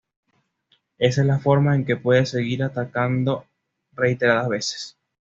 Esa es la forma en que puedes seguir atacando reiteradas veces.